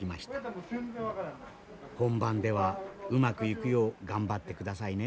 本番ではうまくいくよう頑張ってくださいね。